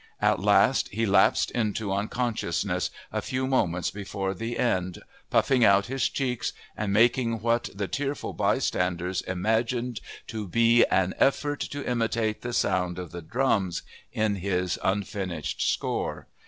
At last he lapsed into unconsciousness, a few moments before the end puffing out his cheeks and making what the tearful bystanders imagined to be an effort to imitate the sound of the drums in his unfinished score.